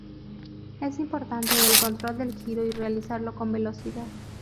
Es importante el control del giro y realizarlo con velocidad.